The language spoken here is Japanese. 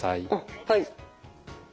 はい。